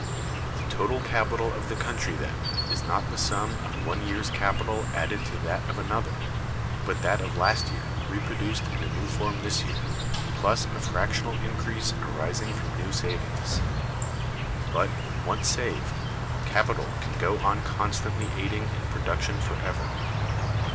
The total capital of the country, then, is not the sum of one year's capital added to that of another; but that of last year reproduced in a new form this year, plus a fractional increase arising from new savings. But, once saved, capital can go on constantly aiding in production forever.